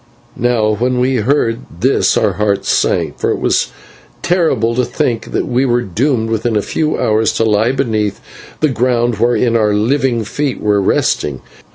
Now when we heard this our hearts sank, for it was terrible to think that we were doomed within a few hours to lie beneath the ground whereon our living feet were resting.